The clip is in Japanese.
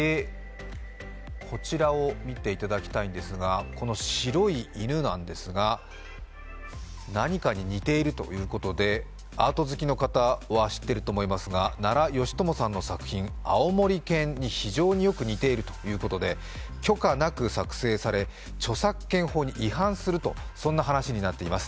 こちらを見ていただきたいんですがこの白い犬なんですが、何かに似ているということでアート好きの方は知っていると思いますが、奈良美智さんの作品「あおもり犬」に非常によく似ているということで許可なく作成され、著作権法に違反するという話になっています。